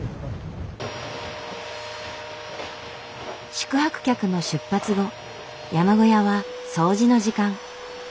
宿泊客の出発後山小屋は掃除の時間。